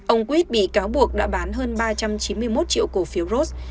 ông quyết bị cáo buộc đã bán hơn ba trăm chín mươi một triệu cổ phiếu rose